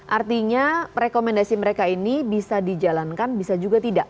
artinya rekomendasi mereka ini bisa dijalankan bisa juga tidak